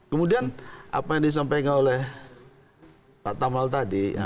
kemudian apa yang disampaikan oleh pak tamal tadi